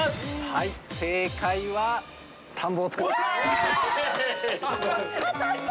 ◆はい、正解は田んぼを作った。